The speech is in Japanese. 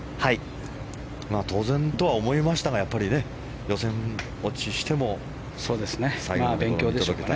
当然とは思いましたがやっぱりね、予選落ちしても最後まで見届けて。